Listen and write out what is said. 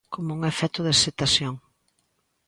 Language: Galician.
Como un efecto de excitación.